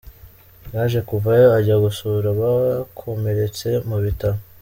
Yaje kuvayo ajya gusura abakomeretse mu bitaro.